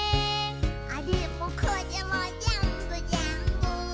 「あれもこれもぜんぶぜんぶ」